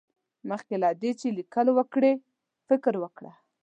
مخکې له دې چې ليکل وکړې، فکر وکړه.